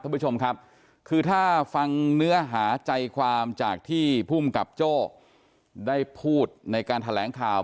ท่านผู้ชมครับคือถ้าฟังเนื้อหาใจความจากที่ภูมิกับโจ้ได้พูดในการแถลงข่าว